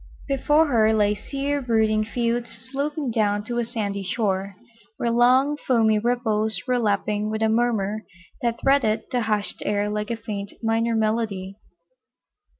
Before her lay sere, brooding fields sloping down to a sandy shore, where long foamy ripples were lapping with a murmur that threaded the hushed air like a faint minor melody.